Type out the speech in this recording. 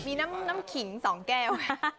มีน้ำขิง๒แก้ว